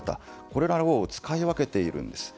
これらを使い分けているんです。